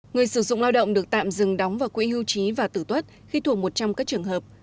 người sử dụng lao động được tạm dừng đóng vào quỹ hưu trí và tử tuất khi thuộc một trăm linh các trường hợp